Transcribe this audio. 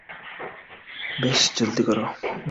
বেশ, জলদি করো।